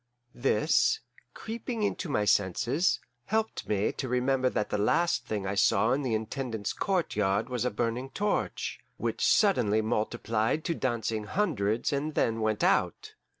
This, creeping into my senses, helped me to remember that the last thing I saw in the Intendant's courtyard was a burning torch, which suddenly multiplied to dancing hundreds and then went out.